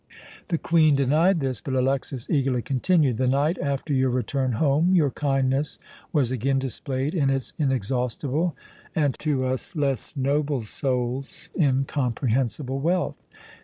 The Queen denied this, but Alexas eagerly continued: "The night after your return home your kindness was again displayed in its inexhaustible and to us less noble souls incomprehensible wealth.